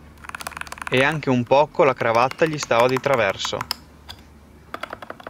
E anche un poco la cravatta gli stava di traverso.